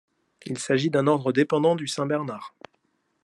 Il s'agit d'un ordre dépendant du Saint-Bernard.